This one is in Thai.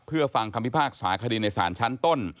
เพื่อฟังคำพิพากษาคดีในศาลชั้นต้น